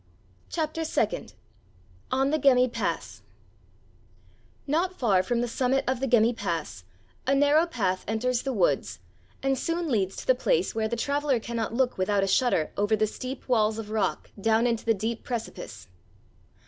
*CHAPTER SECOND* *ON THE GEMMI PASS* Not far from the summit of the Gemmi pass a narrow path enters the woods and soon leads to the place where the traveler cannot look without a shudder over the steep walls of rock down into the deep precipice.